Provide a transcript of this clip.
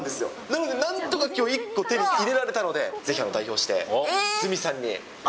なので、なんとかきょう１個、手に入れられたので、ぜひ代表して鷲見さんに。